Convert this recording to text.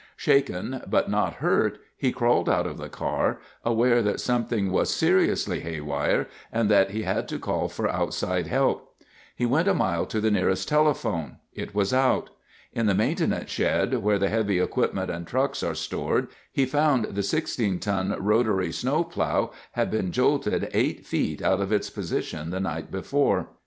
Shaken, but not hurt, he crawled out of the car, aware that something was seriously haywire, and that he had to call for outside help. He went a mile to the nearest telephone. It was out. In the maintenance shed, where the heavy equipment and trucks are stored, he found the 16 ton rotary snowplow had been jolted eight feet out of its position the night before.